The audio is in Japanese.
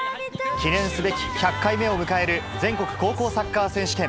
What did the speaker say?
記念すべき１００回目を迎える全国高校サッカー選手権。